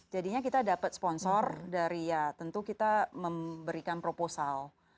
jadinya kita dapat sponsor dari ya tentu kita memberikan proposal